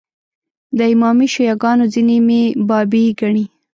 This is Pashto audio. د امامي شیعه ګانو ځینې مې بابي ګڼي.